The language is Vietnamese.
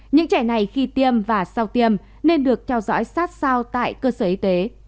những trẻ này khi tiêm và sau tiêm nên được theo dõi sát sao tại cơ sở y tế